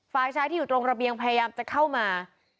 ฝ่ายชายที่อยู่ตรงระเบียงพยายามจะเข้ามา